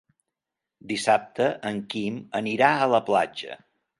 Dissabte en Quim anirà a la platja.